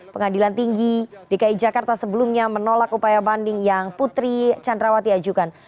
pengadilan tinggi dki jakarta sebelumnya menolak upaya banding yang putri candrawati ajukan